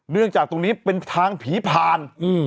เนื่องจากตรงนี้เป็นทางผีผ่าน